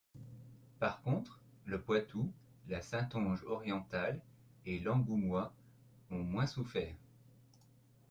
Par contre, le Poitou, la Saintonge orientale et l'Angoumois ont moins souffert.